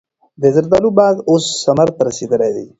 د زردالو باغ اوس ثمر ته رسېدلی دی.